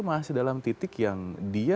masih dalam titik yang dia